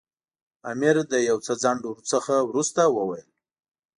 امیر له یو څه ځنډ څخه وروسته وویل.